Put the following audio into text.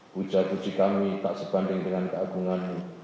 puja puji kami tak sebanding dengan keagunganmu